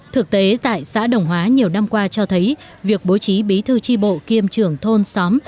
thực tế tại xã đồng hóa nhiều năm qua cho thấy việc bố trí bí thư tri bộ kiêm trưởng thôn xóm